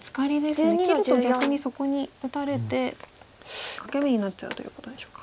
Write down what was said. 切ると逆にそこに打たれて欠け眼になっちゃうということでしょうか。